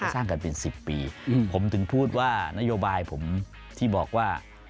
สร้างกันเป็น๑๐ปีผมถึงพูดว่านโยบายผมที่บอกว่า